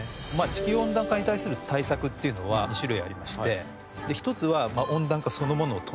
地球温暖化に対する対策っていうのは２種類ありまして１つは温暖化そのものを止める事ですよね。